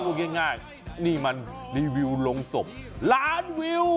พูดง่ายนี่มันรีวิวลงศพ๑๐๐๐๐๐๐วิว